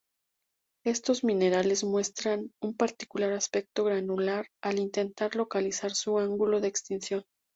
Estos minerales muestran un particular aspecto granular al intentar localizar su ángulo de extinción.